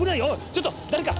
ちょっと誰か！